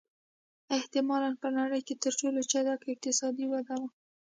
احتمالًا په نړۍ کې تر ټولو چټکه اقتصادي وده وه.